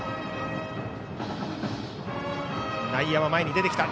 内野は前に出てきた。